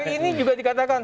hari ini juga dikatakan